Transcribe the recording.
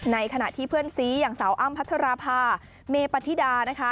ในขณะที่เพื่อนซีอย่างสาวอ้ำพัชราภาเมปฏิดานะคะ